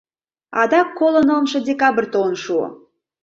Адак коло нылымше декабрь толын шуо.